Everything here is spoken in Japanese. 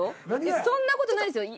そんな事ないですよ